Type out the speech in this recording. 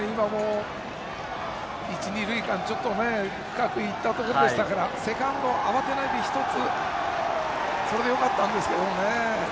一、二塁間深く行ったところでしたからセカンド、あわてないで１つそれでよかったんですけどね。